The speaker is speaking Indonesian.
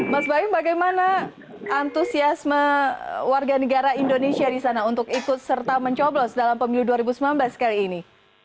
mas bayum bagaimana antusiasme warga negara indonesia di sana untuk ikut serta mencoblos dalam pemilu dua ribu sembilan belas kali ini